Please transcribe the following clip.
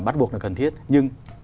bắt buộc là cần thiết nhưng